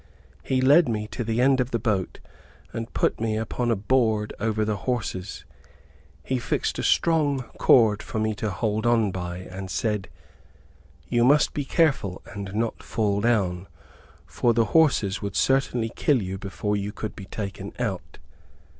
He led me to the end of the boat, and put me upon a board over the horses. He fixed a strong cord for me to hold on by, and said, "you must be careful and not fall down, for the horses would certainly kill you before you could be taken out."